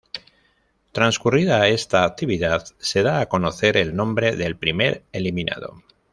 Transcurrida esta actividad, se da a conocer el nombre del primer eliminado.